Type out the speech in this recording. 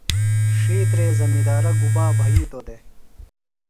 ڇھیترےۡ زمندارہ گُبا بھیتوۡ دےۡ؟